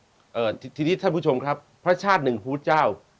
ถ้าที่ที่ที่ท่านคุณผู้ชมครับพระชาติหนึ่งพุทธเจ้า